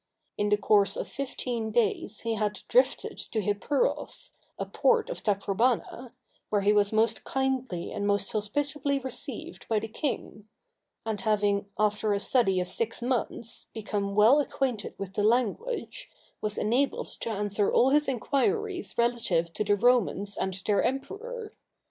In the course of fifteen days he had drifted to Hippuros, a port of Taprobana, where he was most kindly and most hospitably received by the king; and having, after a study of six months, become well acquainted with the language, was enabled to answer all his enquiries relative to the Romans and their emperor.